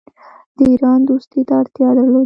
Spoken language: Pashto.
د ایران دوستی ته اړتیا درلوده.